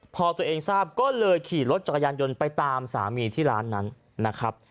พอตัวเองทราบก็เลยขี่รถจักรยานยนต์ไปตามสามีที่ร้านนั้นนะครับ